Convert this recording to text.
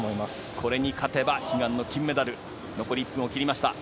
これに勝てば悲願の金メダル残り１分を切りました。